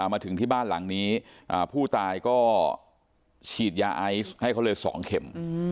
มาถึงที่บ้านหลังนี้ผู้ตายก็ฉีดยาไอซ์ให้เขาเลย๒เข็ม